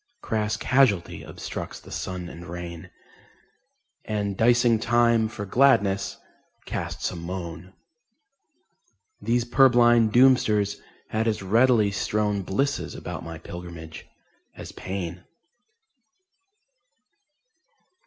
Crass Casualty obstructs the sun and rain, And dicing Time for gladness casts a moan. ... These purblind Doomsters had as readily strown Blisses about my pilgramage as pain.